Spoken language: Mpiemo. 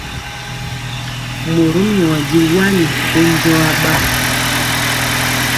Morom nyɔ di wani to njɔɔ aɓa.